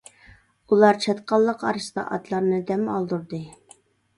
ئۇلار چاتقاللىق ئارىسىدا ئاتلارنى دەم ئالدۇردى.